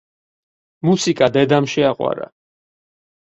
მუსიკა დედამ შეაყვარა.